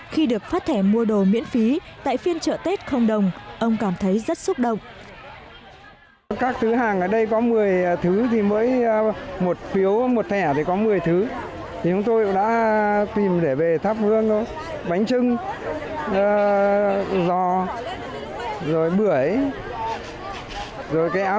khi được phát thẻ mua đồ miễn phí tại phiên chợ tết không đồng ông cảm thấy rất xúc động